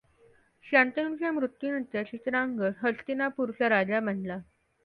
शंतनूच्या मृत्यूनंतर चित्रांगद हस्तिनापूरचा राजा बनला.